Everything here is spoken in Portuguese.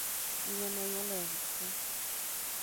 Minha mãe é lésbica.